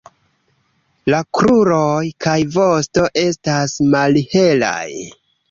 La kruroj kaj vosto estas malhelaj.